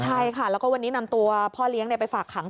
ใช่ค่ะแล้วก็วันนี้นำตัวพ่อเลี้ยงไปฝากขัง